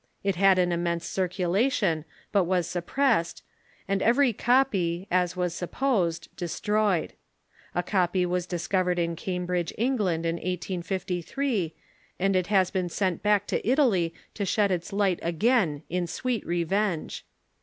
It had an immense circulation, but was suppressed, and every copy, as was sup posed, destroyed. A copy was discovered in Cambridge, Eng land, in 1853, and it has been sent back to Italy to shed its light again in sweet revenge.